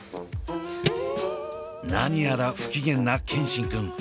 何やら不機嫌な健新くん。